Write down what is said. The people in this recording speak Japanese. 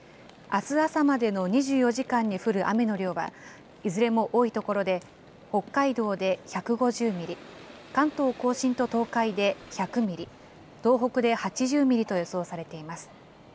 あす朝までの２４時間に降る雨の量は、いずれも多い所で、北海道で１５０ミリ、関東甲信と東海で１００ミリ、東北で８０ミリと予想されています。